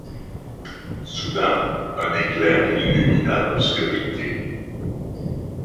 Soudain un éclair illumina l’obscurité